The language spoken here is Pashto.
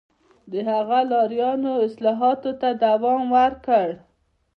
د هغه لارویانو اصلاحاتو ته دوام ورکړ